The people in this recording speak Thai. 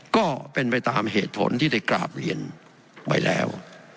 ก็เป็นไปตามเหตุผลที่ได้กราบเรียนไว้แล้ว